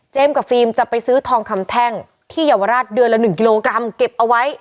กับฟิล์มจะไปซื้อทองคำแท่งที่เยาวราชเดือนละ๑กิโลกรัมเก็บเอาไว้